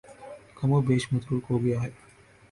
کم و بیش متروک ہو گیا ہے